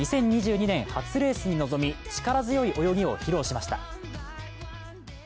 ２０２２年初レースに臨み、力強い泳ぎを披露しました。